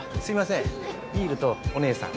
すいません。